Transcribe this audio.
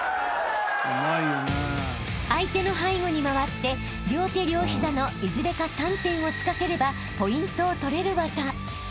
［相手の背後に回って両手両膝のいずれか３点をつかせればポイントを取れる技］